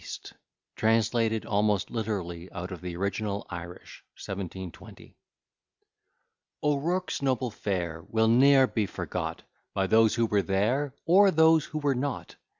B._ TRANSLATED ALMOST LITERALLY OUT OF THE ORIGINAL IRISH. 1720 O'ROURKE'S noble fare Will ne'er be forgot, By those who were there, Or those who were not.